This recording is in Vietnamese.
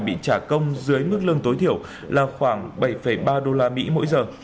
bị trả công dưới mức lương tối thiểu là khoảng bảy ba usd mỗi giờ